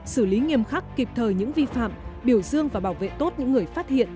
xử lý nghiêm khắc kịp thời những vi phạm biểu dương và bảo vệ tốt những người phát hiện